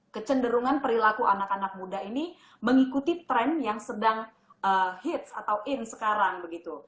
kecenderungan perilaku anak anak muda ini mengikuti tren yang sedang hits atau in sekarang begitu